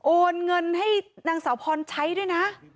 โอนเงินให้นางสาวพรใช้ด้วยนะ